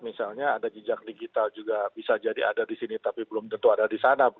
misalnya ada jejak digital juga bisa jadi ada di sini tapi belum tentu ada di sana